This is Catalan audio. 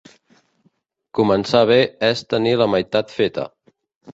Començar bé és tenir la meitat feta.